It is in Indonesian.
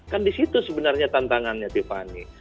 kan disitu sebenarnya tantangannya tiffany